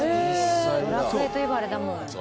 『ドラクエ』といえばあれだもん。